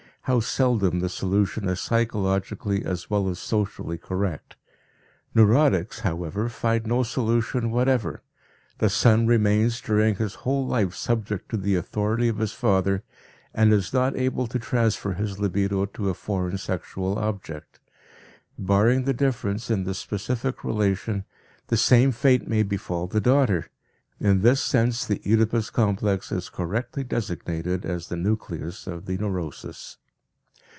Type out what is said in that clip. how seldom the solution is psychologically as well as socially correct. Neurotics, however, find no solution whatever; the son remains during his whole life subject to the authority of his father, and is not able to transfer his libido to a foreign sexual object. Barring the difference in the specific relation, the same fate may befall the daughter. In this sense the Oedipus complex is correctly designated as the nucleus of the neurosis.